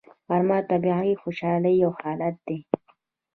غرمه د طبیعي خوشحالۍ یو حالت دی